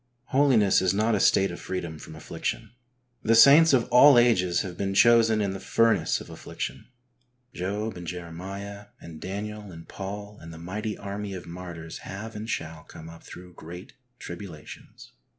Holiness is not a state of freedom from affliction. The saints of all ages have been chosen ''in the furnace of affliction.'^ Job and Jeremiah and Daniel and Paul and the mighty army of martyrs have and shall come up through great tribulations.